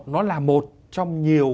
nó là một trong nhiều